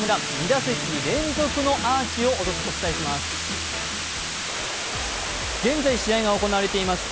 ２打席連続のアーチをお伝えします